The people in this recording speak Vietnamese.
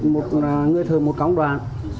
một người thợ một công đoàn